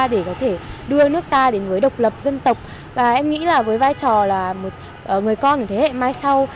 để có thể đưa nước ta đến với độc lập dân tộc và em nghĩ là với vai trò là một người con của thế hệ mai sau